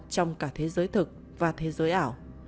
trong cả thế giới thực và thế giới ảo